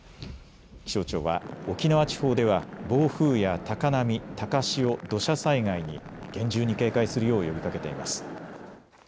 気象庁は沖縄地方では暴風や高波、高潮、土砂災害に厳重に警戒するよう呼びかけています。